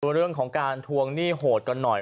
เรื่องของการทวงหนี้โหดกันหน่อย